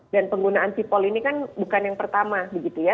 dan penggunaan cipol ini kan bukan yang pertama begitu ya